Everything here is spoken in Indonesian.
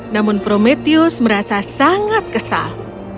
namun prometheus merasa sangat kesal